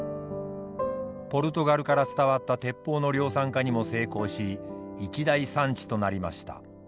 ポルトガルから伝わった鉄砲の量産化にも成功し一大産地となりました。